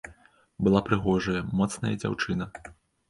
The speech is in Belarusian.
Была прыгожая, моцная дзяўчына.